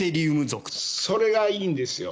属それがいいんですよ。